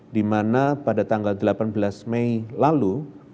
dimana pada tanggal delapan belas mei lalu